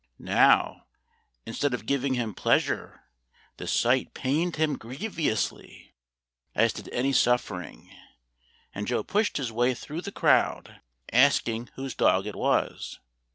Now, instead of giving him pleasure, this sight pained him grievously, as did any suffering, and Joe pushed his way through the crowd, asking whose dog it was.